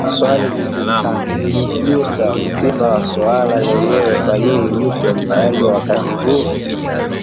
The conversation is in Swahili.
Swali liligusa mtima wa suala lenyewe: Kwa nini yupo mtaani wakati huu